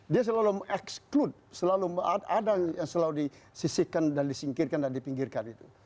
dia selalu mengeksclude selalu ada yang selalu disisihkan dan disingkirkan dan dipinggirkan itu